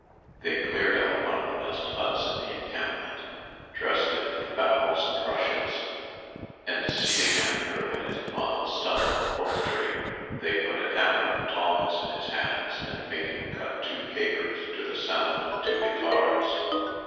They cleared out one of the best huts in the encampment, dressed it with boughs and rushes, and seating Andrew in it on the stump of a cork tree, they put a hammer and tongs in his hands, and made him cut two capers to the sound of two guitars.